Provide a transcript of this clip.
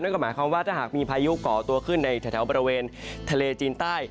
ก็หมายความว่าถ้าหากมีพายุก่อตัวขึ้นในแถวบริเวณทะเลจีนใต้